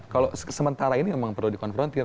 kalau sementara ini memang perlu dikonfrontir